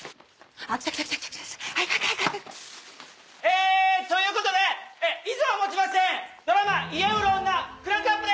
来た来た早く早く！えということで以上をもちましてドラマ『家売るオンナ』クランクアップです！